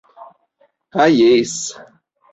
Ha jes!